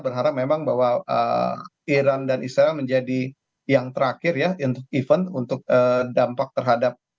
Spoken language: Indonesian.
berharap memang bahwa iran dan israel menjadi yang terakhir ya event untuk dampak terhadap